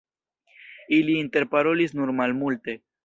Ili interparolis nur malmulte.